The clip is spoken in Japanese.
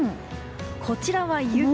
こちらは雪。